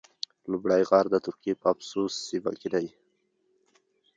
لومړی غار د ترکیې په افسوس سیمه کې ده.